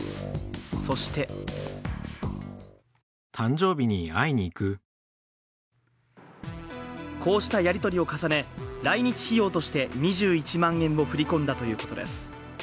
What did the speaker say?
そしてこうしたやりとりを重ね、来日費用として２１万円を振り込んだということです。